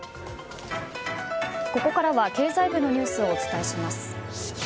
ここからは経済部のニュースをお伝えします。